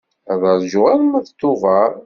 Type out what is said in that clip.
Ad rǧuɣ arma d Tuber.